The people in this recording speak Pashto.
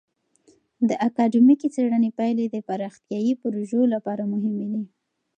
د اکادمیکې څیړنې پایلې د پراختیایي پروژو لپاره مهمې دي.